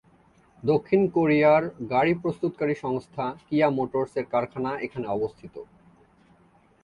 দক্ষিণ কোরিয়ার গাড়ি প্রস্তুতকারী সংস্থা কিয়া মোটরস এর কারখানা এখানে অবস্থিত।